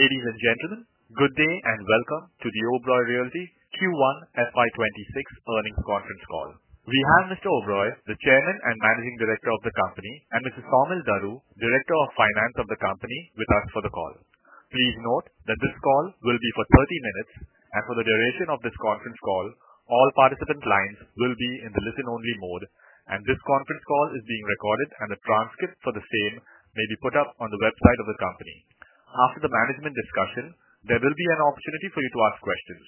Ladies and gentlemen, good day and welcome to the Oberoi Realty Q1 FY 2026 earnings conference call. We have Mr. Vikas Oberoi, the Chairman and Managing Director of the company, and Mr. Saumil Daru, Director of Finance of the company, with us for the call. Please note that this call will be for 30 minutes and for the duration of this conference call, all participant lines will be in the listen-only mode. This conference call is being recorded and the transcript for the same may be put up on the website of the company. After the management discussion, there will be an opportunity for you to ask questions.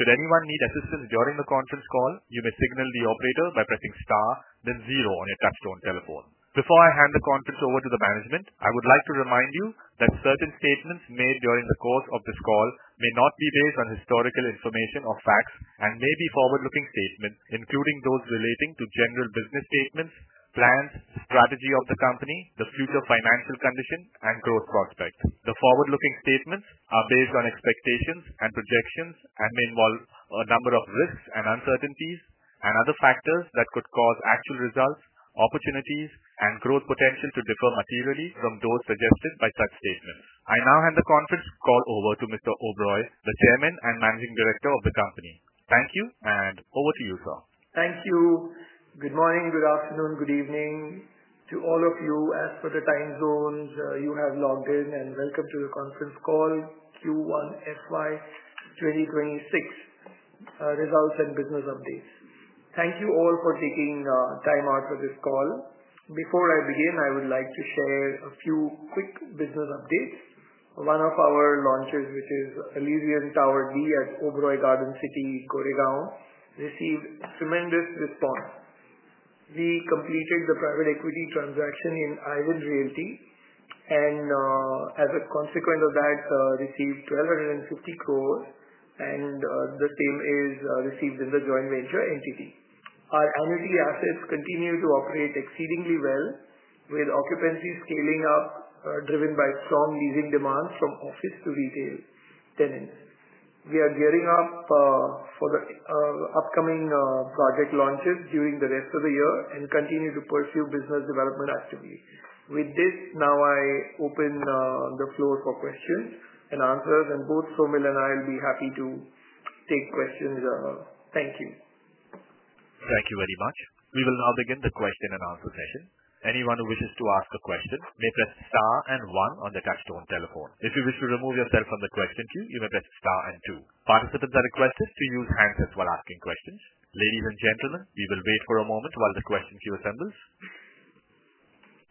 Should anyone need assistance during the conference call, you may signal the operator by pressing star then zero on your touch-tone telephone. Before I hand the conference over to the management, I would like to remind you that certain statements made during the course of this call may not be based on historical information or facts and may be forward-looking statements, including those relating to general business statements, plans, strategy of the company, the future financial condition, and growth prospect. The forward-looking statements are based on expectations and projections and may involve a number of risks and uncertainties and other factors that could cause actual results, opportunities, and growth potential to differ materially from those suggested by such statements. I now hand the conference call over to Mr. Vikas Oberoi, the Chairman and Managing Director of the company. Thank you, and over to you, sir. Thank you. Good morning, good afternoon, good evening to all of you as per the time zones you have logged in, and welcome to the conference call Q1 FY 2026 results and business updates. Thank you all for taking time out for this call. Before I begin, I would like to share a few quick business updates. One of our launches, which is Elysian Tower D at Oberoi Garden City, Goregaon, received tremendous response. We completed the private equity transaction in I-Ven Realty and as a consequence of that received 1,250 crore, and the same is received in the joint venture entity. Our annuity assets continue to operate exceedingly well with occupancy scaling up, driven by strong leasing demand from office to retail. We are gearing up for the upcoming project launches during the rest of the year and continue to pursue business development actively. With this, now I open the floor for questions and answers, and both Saumil and I will be happy to take questions. Thank you. Thank you very much. We will now begin the question and answer session. Anyone who wishes to ask a question may press star and one on the touchstone telephone. If you wish to remove yourself from the question queue, you may press star and two. Participants are requested to use handsets while asking questions. Ladies and gentlemen, we will wait for a moment while the question queue assembles.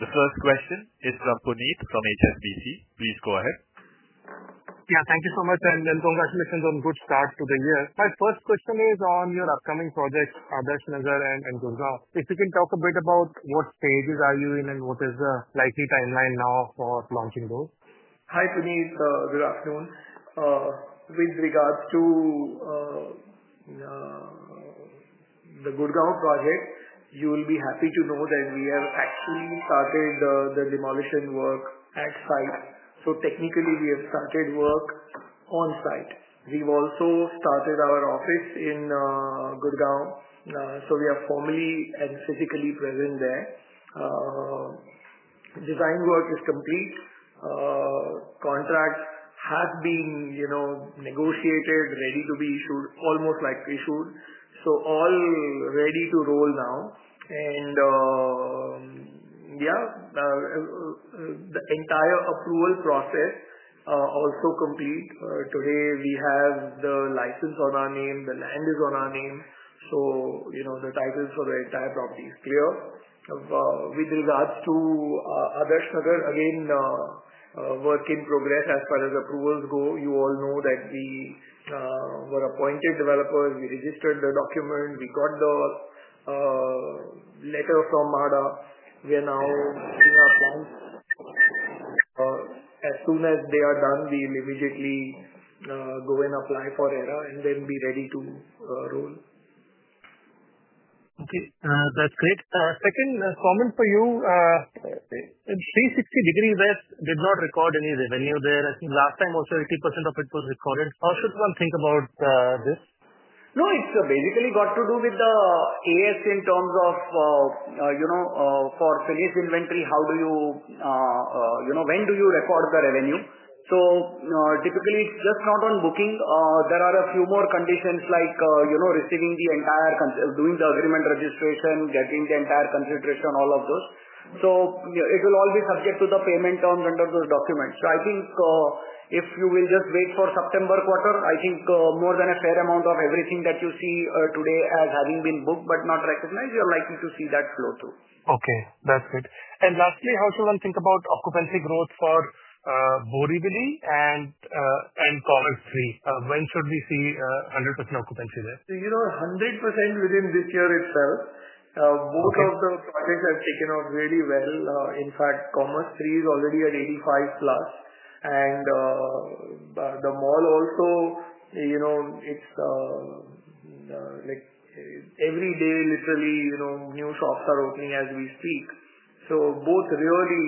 The first question is from Puneet from HSBC. Please go ahead. Yeah, thank you so much and congratulations on good start to the year. My first question is on your upcoming projects, Adarsh Nagar and Gurgaon. If you can talk a bit about what stages are you in and what is the likely timeline now for launching those. Hi Puneet. Good afternoon. With regards to the Gurgaon project, you will be happy to know that we have actually started the demolition work at site. Technically, we have started work on site. We've also started our office in Gurgaon, so we are formally and physically present there. Design work is complete, contract has been negotiated, ready to be issued, almost like issued. All ready to roll now. Yeah, the entire approval process is also complete today. We have the license in our name, the land is in our name, so the title for the entire property is clear. With regards to Adarsh Nagar, again, work in progress. As far as approvals go, you all know that we were appointed developers. We registered the document. We got the letter from MHADA. As soon as they are done, we will immediately go and apply for ERA and then be ready to roll. Okay, that's great. Second comment for you. 360 West did not record any revenue there. I think last time also 80% of it was recorded. How should one think about this? No, it's basically got to do with the, as in terms of, you know, for finished inventory, how do you, you know, when do you record the revenue? Typically, it's just not on booking. There are a few more conditions like, you know, receiving the entire, doing the agreement, registration, getting the entire consideration, all of those. It will all be subject to the payment terms under those documents. I think if you will just wait for September quarter, more than a fair amount of everything that you see today as having been booked but not recognized, you're likely to see that flow too. Okay, that's it. Lastly, how should one think about occupancy growth for Borivali and Commerz III? When should we see 100% occupancy there? You know, 100% within this year itself. Both of the projects have taken off really well. In fact, Commerz III is already at 85% plus and the mall also, you know, it's like every day, literally new shops are opening as we speak. Both really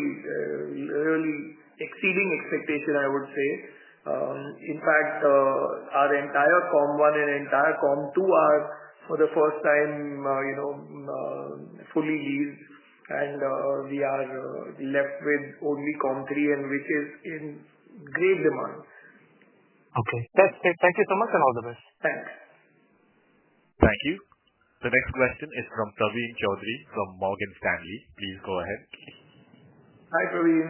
exceeding expectation, I would say. In fact, our entire Commerz I and entire Commerz II are for the first time fully leased. We are left with only Commerz III, which is in great demand. Okay, that's great. Thank you so much and all the best. Thanks. Thank you. The next question is from Praveen Choudhary from Morgan Stanley. Please go ahead. Hi Praveen.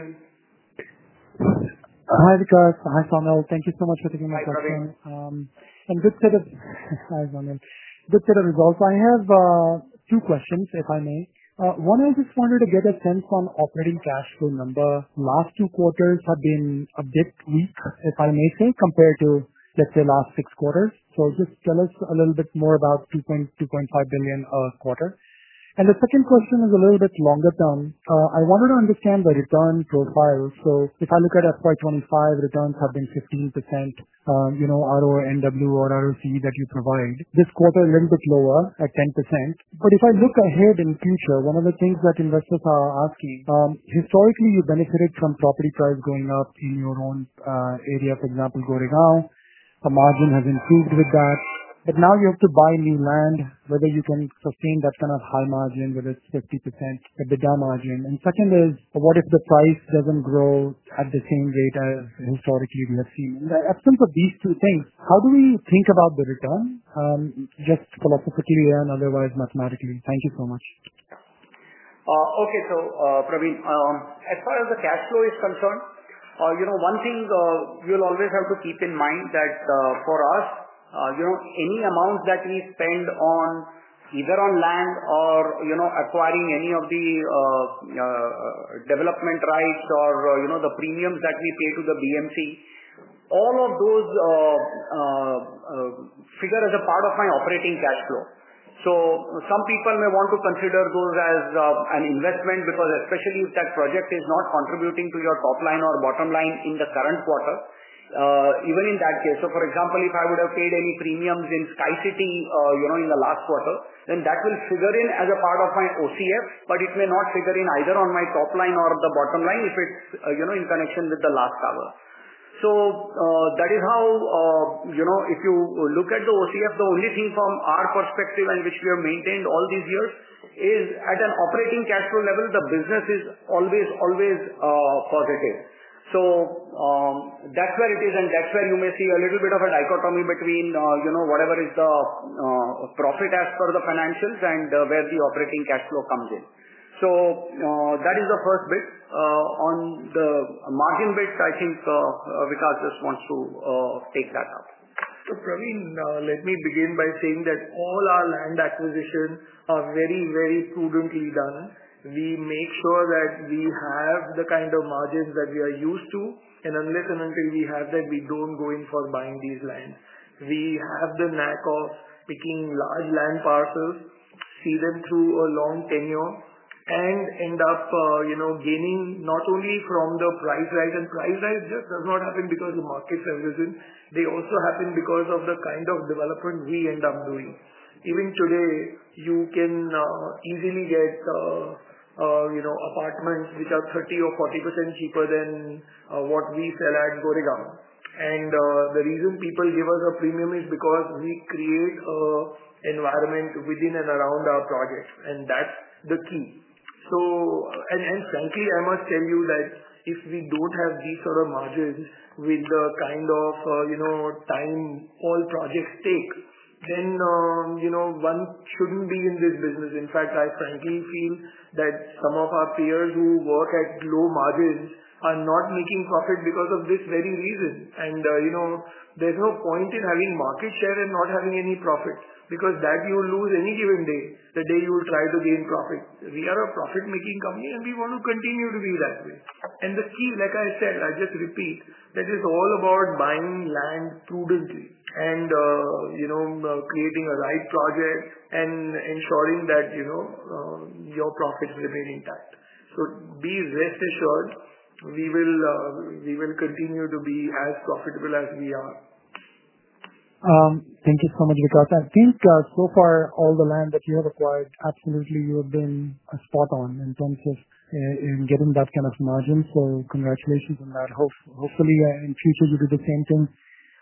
Hi Vikas. Hi Saumil. Thank you so much for taking my question and good set of results. I have two questions, if I may. One, I just wanted to get a sense on operating cash flow number. Last two quarters have been a bit weak, if I may think, compared to last six quarters. Just tell us a little bit more about 2 billion, 2.5 billion a quarter. The second question is a little bit longer term. I wanted to understand the return profile. If I look at FY 2025, returns have been 15%, you know, RONW or ROC that you provide this quarter a little bit lower at 10%. If I look ahead in future, one of the things that investors are asking, historically you benefited from property price going up in your own area, for example, Goregaon, the margin has improved with that. Now you have to buy new land. Whether you can sustain that kind of high margin, whether it's 50% EBITDA margin. Second is what if the price doesn't grow at the same rate as historically we have seen. In the absence of these two things, how do we think about the return just philosophically and otherwise, mathematically. Thank you so much. Okay, so Praveen, as far as the cash flow is concerned, one thing you'll always have to keep in mind is that for us, any amount that we spend either on land or acquiring any of the development rights or the premiums that we pay to the BMC, all of those figure as a part of my operating cash flow. Some people may want to consider those as an investment, especially if that project is not contributing to your top line or bottom line in the current quarter, even in that case. For example, if I would have paid any premiums in Sky City in the last quarter, then that will figure in as a part of my OCF. It may not figure in either on my top line or the bottom line if it's in connection with the last hour. That is how if you look at the OCF, the only thing from our perspective, which we have maintained all these years, is at an operating cash flow level, the business is always, always positive. That's where it is, and that's where you may see a little bit of a dichotomy between whatever is the profit as per the financials and where the operating cash flow comes in. That is the first bit on the margin bit. I think Vikas just wants to take that up. Praveen, let me begin by saying that all our land acquisitions are very, very prudently done. We make sure that we have the kind of margins that we are used to, and unless and until we have that, we don't go in for buying these lands. We have the knack of making large land parcels, see them through a long tenure, and end up gaining not only from the price rise. Price rise just does not happen because markets have risen. They also happen because of the kind of development we end up doing. Even today you can easily get apartments which are 30% or 40% cheaper than what we sell at Goregaon, and the reason people give us a premium is because we create an environment within and around our projects. That's the key. Frankly, I must tell you that if we don't have these sort of managers with the kind of time all projects take, then one shouldn't be in this business. In fact, I frankly feel that some of our peers who work at low margins are not making profit because of this very reason. There's no point in having market share and not having any profit because that you lose any given day, the day you will try to gain profit. We are a profit making company and we want to continue to be that way. Like I said, I just repeat that it is all about buying land prudently and creating a right project and ensuring that your profits remain intact. Be rest assured we will continue to be as profitable as we are. Thank you so much, Vikas. I think so far all the land that you have acquired, absolutely, you have been spot on in terms of getting that kind of margin. Congratulations on that. Hopefully in future you do the same thing.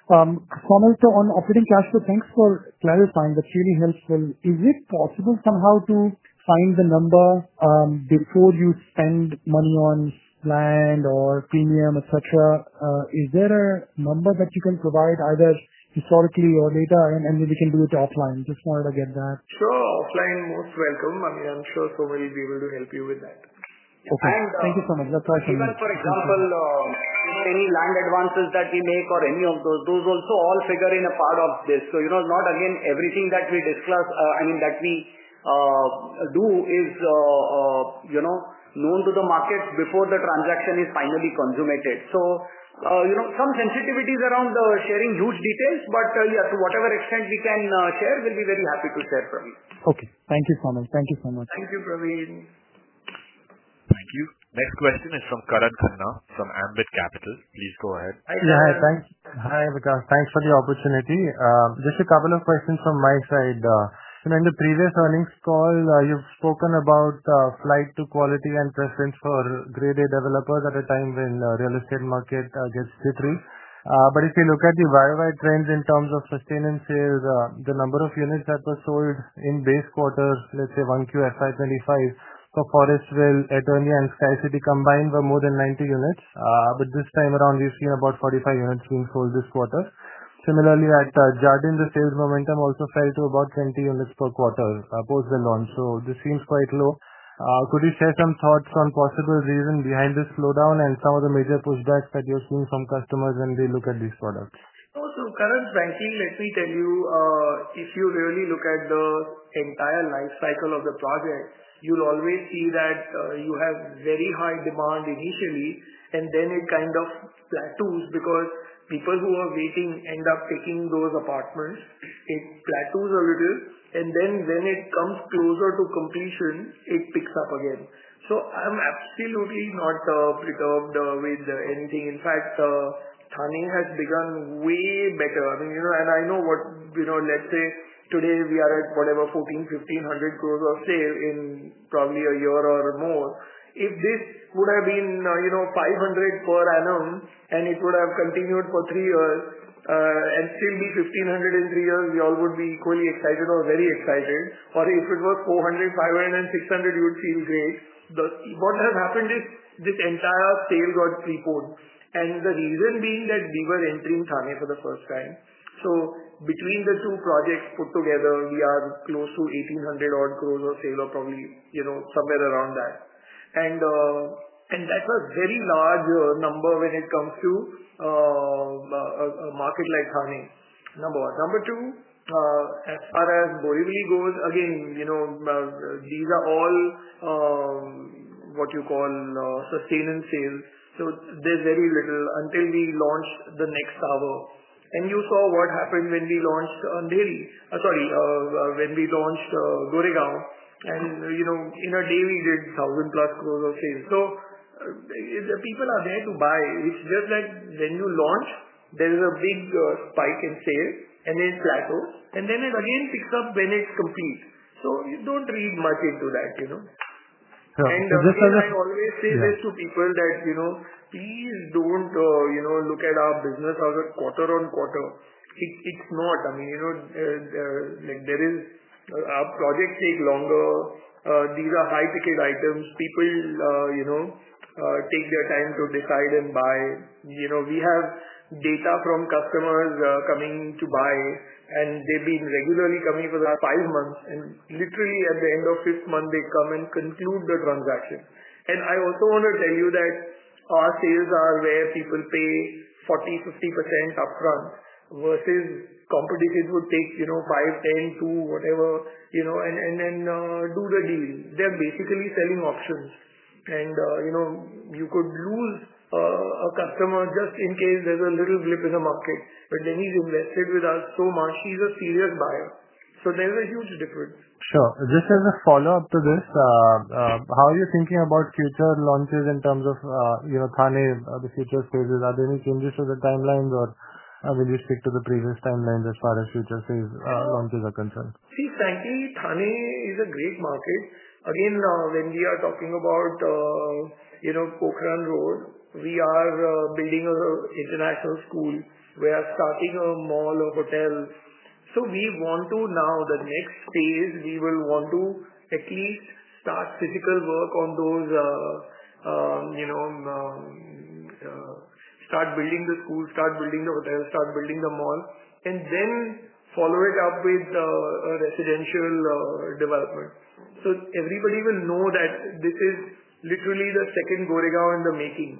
Saumil, on operating cash flow, thanks for clarifying, that's really helpful. Is it possible somehow to find the number before you spend money on land or premium, etc.? Is there a number that you can provide either historically or later? We can do it offline. Just wanted to get that. Sure. Offline, most welcome. I mean, I'm sure Saumil will be able to help you with that. Thank you so much. That's right. Even, for example, any land advances that we make or any of those, those also all figure in a part of this. Not again, everything that we discuss, I mean that we do, is known to the market before the transaction is finally consummated. There are some sensitivities around sharing huge details. Yes, to whatever extent we can share, we'll be very happy to share. Okay, thank you so much. Thank you so much. Thank you, Praveen. Thank you. Next question is from Karan Khanna from Ambit Capital. Please go ahead. Hi Vikas, thanks for the opportunity. Just a couple of questions from my side. In the previous earnings call you've spoken about flight to quality and preference for grade A developers at a time when real estate market gets jittery. If you look at the year-wide trends in terms of sustenance sales, the number of units that were sold in the base quarter, let's say 1Q FY 2025, Forestville, Eternia, and Sky City combined were more than 90 units. This time around we've seen about 45 units being sold this quarter. Similarly, at Jardin the sales momentum also fell to about 20 units per quarter post the launch. This seems quite low. Could you share some thoughts on possible reasons behind this slowdown and some of the major pushbacks that you're seeing from customers when they look at these products? Let me tell you, if you really look at the entire life cycle, you'll always see that you have very high demand initially and then it kind of plateaus because people who are waiting end up taking those apartments. It plateaus a little, and then when it comes closer to completion, it picks up again. I'm absolutely not perturbed with anything. In fact, Thane has begun way better. I know what you know, let's say today we are at whatever 1,400, 1,500 crore of sale in probably a year or more. If this would have been, you know, 500 crore per annum and it would have continued for three years and still be 1,500 crore in three years, we all would be equally excited or very excited, or if it was 400, 500, and 600 crore, you would feel great. What has happened is this entire sale got preponed, and the reason being that we were entering Thane for the first time. Between the two projects put together, we are close to 1,800 crore of sale or probably somewhere around that. That's a very large number when it comes to a market like Thane. As far as Borivali goes, again these are all what you call sustenance sales. There's very little until we launch the next tower. You saw what happened when we launched Goregaon and in a day did 1,000 crore plus of sales. People are there to buy. It's just that when you launch, there is a big spike in sales, and then it plateaus, and then it again picks up when it's complete. You don't read much into that. I always say this to people that please don't look at our business as a quarter-on-quarter. It's not. Our projects take longer. These are high ticket items. People take their time to decide and buy. We have data from customers coming to buy, and they've been regularly coming for the last five months, and literally at the end of the fifth month, they come and conclude the transaction. I also want to tell you that our sales are where people pay 40, 50% upfront versus competition would take 5, 10, 2, whatever and do the deal. They're basically selling options, and you could lose a customer just in case there's a little blip in the market. Then he's invested with us so much, he's a serious buyer. There is a huge difference. Sure. Just as a follow-up to this, how are you thinking about future launches in terms of Thane, the future phases? Are there any changes to the timelines, or will you stick to the previous timelines as far as future phase launches are concerned? See, frankly, Thane is a great market. Again, when we are talking about Pokhran Road, we are building an international school, we are starting a mall or hotel. We want to, in the next phase, at least start physical work on those, start building the school, start building the hotels, start building the mall, and then follow it up with residential development. Everybody will know that this is literally the second Goregaon in the making.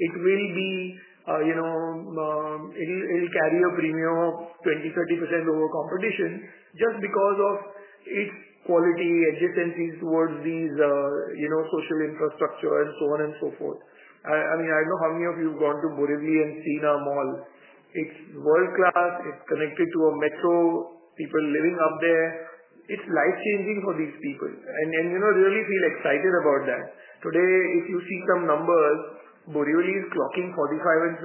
It will carry a premium of 20% to 30% over competition just because of its quality adjacencies towards these social infrastructure and so on and so forth. I mean, I don't know how many of you have gone to Borivali and seen our mall. It's world class, it's connected to a metro, people living up there. It's life changing for these people and you really feel excited about that today. If you see some numbers, Borivali is clocking 45,000 and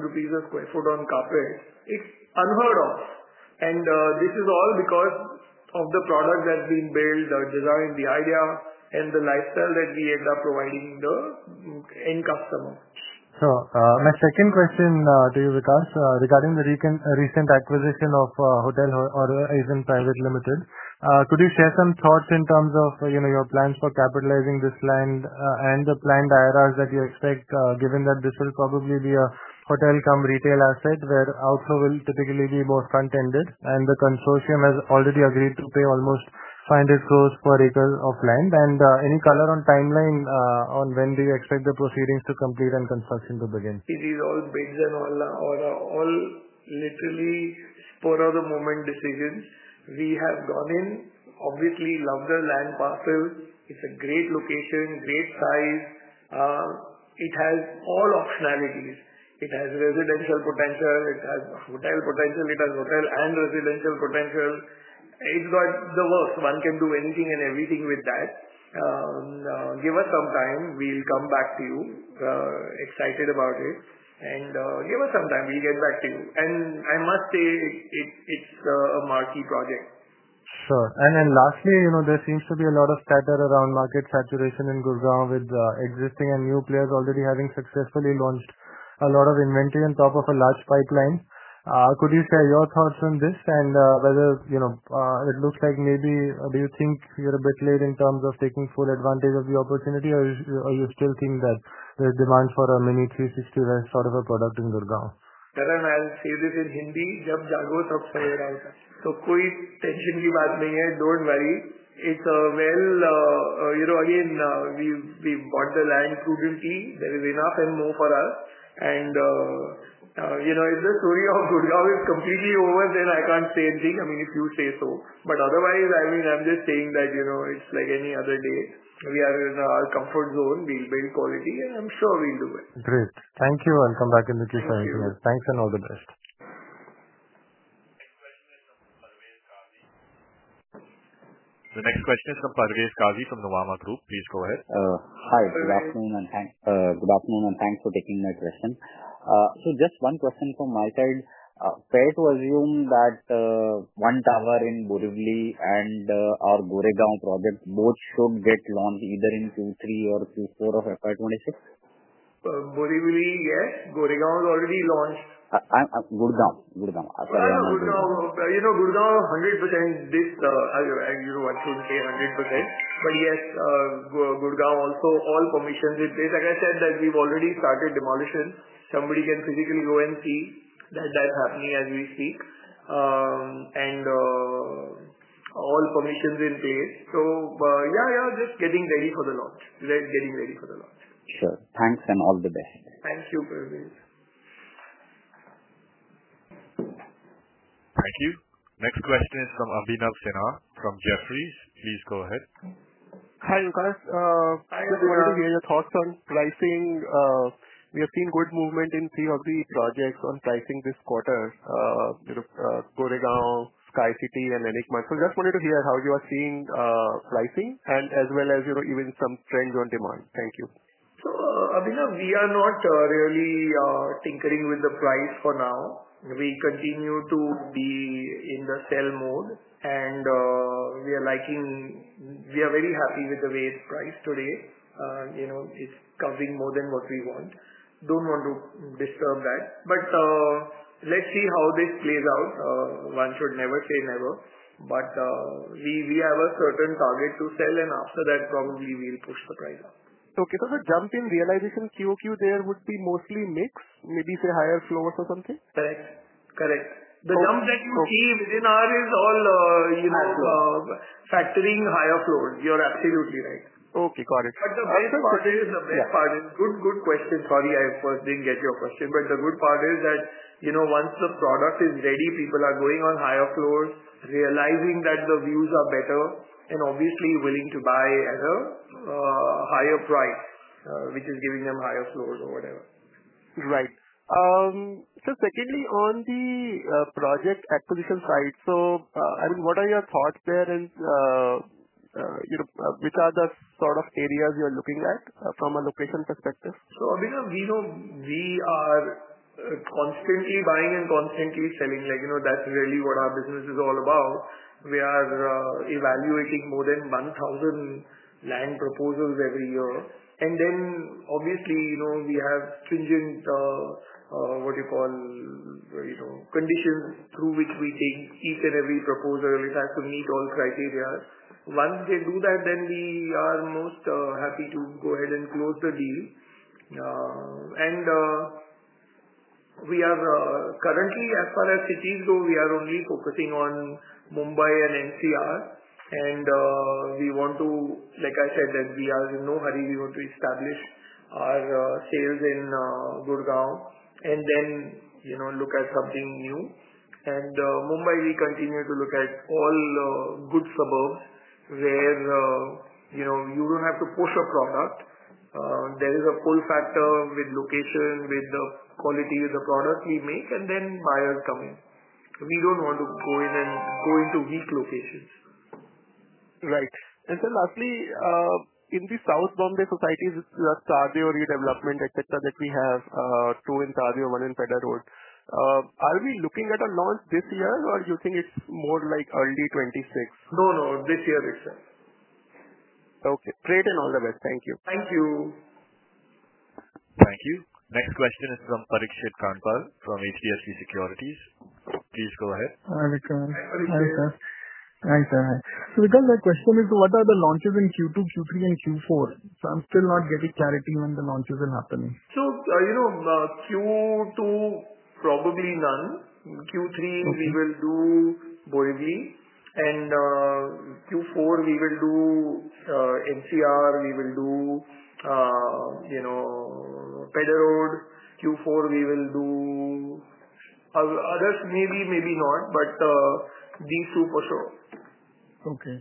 50,000 rupees a square foot on carpet. It's unheard of. This is all because of the product that's been built, designed, the idea and the lifestyle that we end up providing the end customer. My second question to you, Vikas, regarding the recent acquisition of hotel or Irisin Private Limited. Could you share some thoughts in terms of your plans for capitalizing this land and the planned IRRs that you expect given that this will probably be a hotel-cum-retail asset where outflow will typically be more contended? The consortium has already agreed to pay almost 500 crore per acre of land. Any color on timeline on when you expect the proceedings to complete and construction to begin? It is all bids and all literally spur of the moment decisions. We have gone in, obviously love the land parcel. It's a great location, great size, it has all optionalities. It has residential potential, it has hotel potential. It has hotel and residential potential. It's got the works. One can do anything and everything with that. Give us some time, we'll come back to you excited about it. Give us some time, we'll get back to you. I must say it's a marquee project. Sure. Lastly, there seems to be a lot of scatter around market saturation in Gurgaon with existing and new players already having successfully launched a lot of inventory on top of a large pipeline. Could you share your thoughts on this and whether it looks like maybe do you think you're a bit late in terms of taking full advantage of the opportunity, or you still think that the demand for a mini 360 West sort of a product in Gurgaon? I'll say this in Hindi so koi, don't worry. You know, again we bought the land prudently. There is enough and more for us. If the story of Gurgaon is completely over then I can't say anything. I mean if you say so, otherwise, I mean I'm just saying that you know, it's like any other day. We are in our comfort zone. We build quality and I'm sure we'll do it. Great, thank you. Thank you and all the best. The next question is from Parvez Qazi from the Nuvama Group. Please go ahead. Hi, good afternoon and thanks for taking my question. Just one question from my side. Fair to assume that one tower in Borivali and our Goregaon project both should get launched either in Q3 or Q4 of FY 2026. Gurgaon, I shouldn't say 100% but yes, Gurgaon also. All permissions in place. Like I said, we've already started demolition. Somebody can physically go and see that that's happening as we speak. All permissions in place. Just getting ready for the launch. Getting ready for the launch. Sure. Thanks and all the best. Thank you, Parvez. Thank you. Next question is from Abhinav Sinha from Jefferies. Please go ahead. Hi, just wanted to hear your thoughts on pricing. We have seen good movement in Commerz III. Of the projects on pricing this quarter. Goregaon, Sky City mall, and Elysian Tower D. Just wanted to hear how you are seeing pricing and as well as even some trends on demand. Thank you. Abhinav, we are not really tinkering with the price for now. We continue to be in the sell mode, and we are very happy with the way it's priced today. It's covering more than what we want. Do not want to disturb that. Let's see how this plays out. One should never say never. We have a certain target to sell, and after that probably we'll push the price up. The jump in realization QoQ, there. Would be mostly mix. Maybe say higher floors or something. Correct, correct. The jump that you see within R is all factoring higher floors. You're absolutely right. Okay, got it. The main, pardon, good question. Sorry, I first didn't get your question. The good part is that once the product is ready, people are going on higher floors, realizing that the views are better and obviously willing to buy at a higher price, which is giving them higher floors or whatever. Right. Secondly, on the project acquisition side, what are your thoughts there and which are the sort of areas you are looking at from a location perspective? Abhinav, we are constantly buying and constantly selling. Like you know, that's really what our business is all about. We are evaluating more than 1,000 land proposals every year. Obviously, we have stringent, what you call, conditions through which we take each and every proposal. It has to meet all criteria. Once they do that, we are most happy to go ahead and close the deal. We are currently, as far as cities go, only focusing on Mumbai and NCR. We are in no hurry. We want to establish our sales in Gurgaon and then look at something new. In Mumbai, we continue to look at all good suburbs where you don't have to push a product. There is a pull factor with location, with the quality of the product we make, and then buyers come in. We don't want to go in and go into weak locations. Right. Lastly, in the South Mumbai society redevelopment, etc., we have two in Sadh, one in Pedder Road. Are we looking at a launch this year or you think it's more like early 2026? No, no. This year itself. Okay, great. All the best. Thank you. Thank you. Thank you. Next question is from Parikshit Kandpal from HDFC Securities. Please go ahead, Vikram. Hi, sir. Hi, sir. Hi. Vikas, my question is what are the launches in Q2, Q3, and Q4? I'm still not getting clarity when the launches will happen. Q2, probably none. Q3 we will do Borivali and Q4 we will do NCR. We will do Pedder Road, Q4 we will do others, maybe, maybe not. These two for sure. Okay,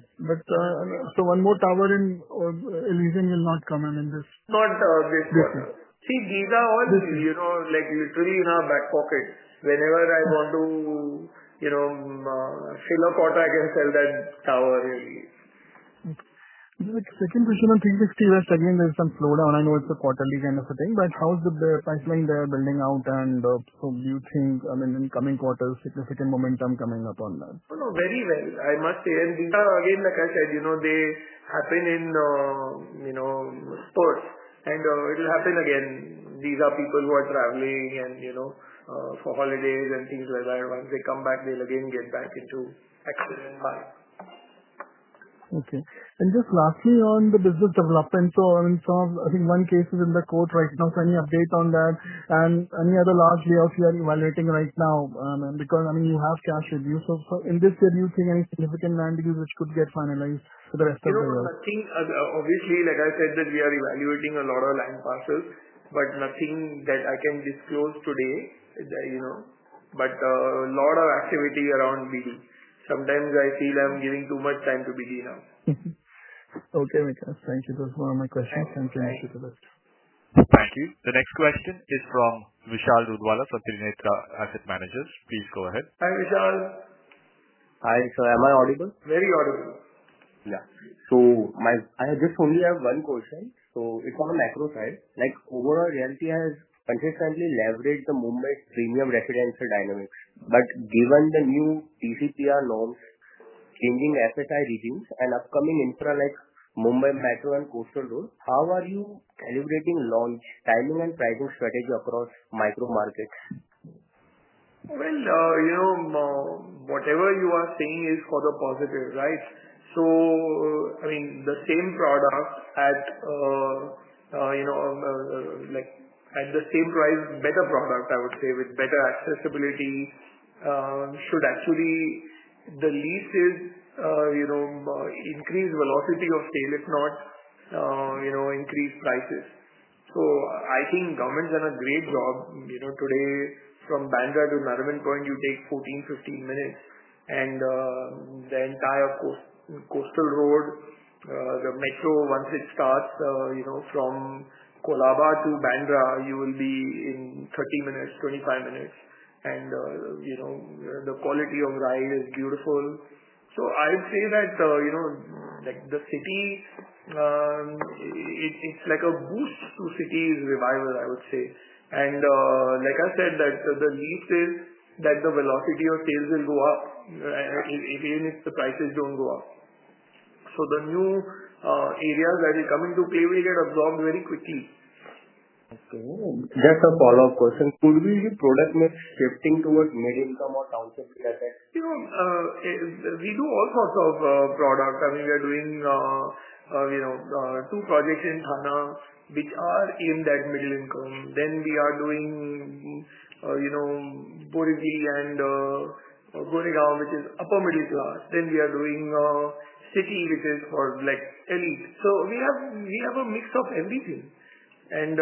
so one more tower in Elysian will not come. I mean, these are all literally in our back pocket. Whenever I want to fill a quarter, I can sell that tower. Really? Second question on 360 West. Again, there's some slowdown. I know it's a quarterly kind of a thing. How's the priceline there building out? Do you think, in coming quarters, significant momentum coming up on that? Very well, I must say. Like I said, you know, they happen in sports and it will happen again. These are people who are traveling for holidays and things like that. Once they come back, they'll again get back into action and buy. Okay. Just lastly on the business development, I think one case is in the court right now. Any update on that and any other large land deals you are evaluating right now? I mean you have cash with you. In this year do you think any significant land deals could get finalized? Obviously, like I said, we are evaluating a lot of land parcels, but nothing that I can disclose today. You know, a lot of activity around BD. Sometimes I feel I'm giving too much time to BD now. Okay, thank you. That's one of my questions. Finish with the best. Thank you. The next question is from Vishal Dudhwala from Trinetra Asset Managers. Please go ahead. Hi Vishal. Hi sir. Am I audible? Very audible, yeah. I just only have one question. It's on the macro side, like overall Oberoi Realty has consistently leveraged the movement premium residential dynamics. Given the new TCPR norms, changing FSI regions, and upcoming infra like Mumbai Metro and Coastal Road, how are you calibrating launch timing and pricing strategy across micro markets? You know, whatever you are saying is for the positive, right? I mean, the same product at, you know, like at the same price, better product I would say with better accessibility should actually at the least, you know, increase velocity of sale, if not, you know, increase prices. I think government has done a great job today. From Bandra to Nariman Point, you take 14, 15 minutes and the entire Coastal Road, the Metro once it starts from Colaba to Bandra, you will be in 30 minutes, 25 minutes, and the quality of ride is beautiful. I'd say that the city, it's like a boost to city's revival I would say. Like I said, the leap says that the velocity of sales will go up even if the prices don't go up. The new areas that will come into play will get absorbed very quickly. That's a follow-up question. Could be the product mix shifting towards mid income or township. You know, we do all sorts of products. I mean, we are doing, you know, two projects in Gurgaon which are in that middle income. Then we are doing, you know, in Goregaon which is upper middle class. Then we are doing City which is for like elite. We have, we have a mix of everything and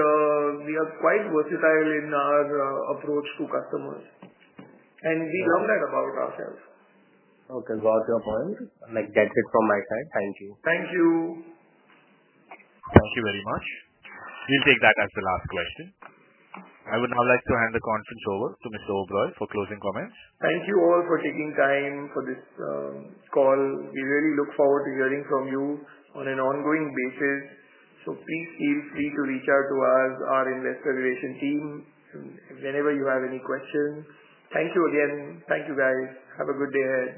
we are quite versatile in our approach to customers and we love that about ourselves. Okay, what's your point? That's it from my side. Thank you. Thank you. Thank you very much. We'll take that as the last question. I would now like to hand the conference over to Mr. Oberoi for closing comments. Thank you all for taking time for this call. We really look forward to hearing from you on an ongoing basis. Please feel free to reach out to us, our investor innovation team whenever you have any questions. Thank you again. Thank you guys. Have a good day ahead.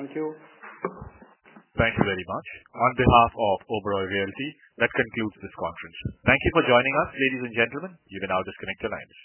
Thank you. Thank you very much on behalf of Oberoi Realty. That concludes this conference. Thank you for joining us, ladies and gentlemen. You may now disconnect your line.